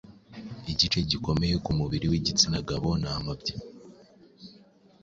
igice gikomeye kumubiri w’igitsinagabo ni amabya.